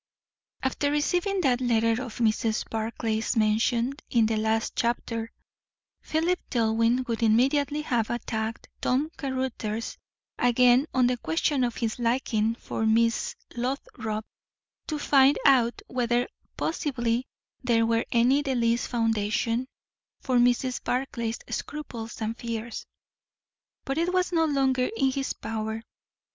After receiving that letter of Mrs. Barclay's mentioned in the last chapter, Philip Dillwyn would immediately have attacked Tom Caruthers again on the question of his liking for Miss Lothrop, to find out whether possibly there were any the least foundation for Mrs. Barclay's scruples and fears. But it was no longer in his power.